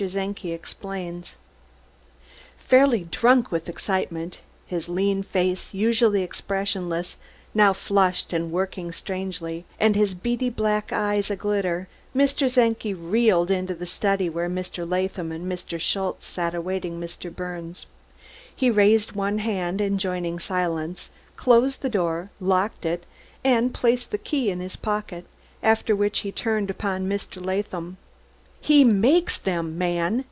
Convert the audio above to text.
CZENKI EXPLAINS Fairly drunk with excitement, his lean face, usually expressionless, now flushed and working strangely, and his beady black eyes aglitter, Mr. Czenki reeled into the study where Mr. Latham and Mr. Schultze sat awaiting Mr. Birnes. He raised one hand, enjoining silence, closed the door, locked it and placed the key in his pocket, after which he turned upon Mr. Latham. "He makes them, man!